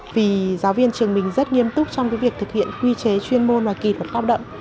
vì giáo viên trường mình rất nghiêm túc trong cái việc thực hiện quy chế chuyên môn và kỳ thuật cao đậm